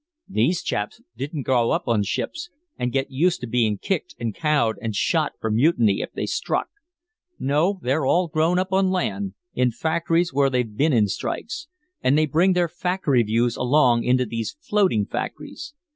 These chaps didn't grow up on ships and get used to being kicked and cowed and shot for mutiny if they struck. No, they're all grown up on land, in factories where they've been in strikes, and they bring their factory views along into these floating factories.